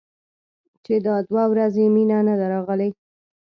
چې دا دوه ورځې مينه نه ده راغلې.